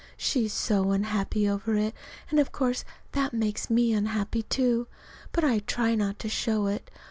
She's so unhappy over it. And of course that makes me unhappy, too. But I try not to show it.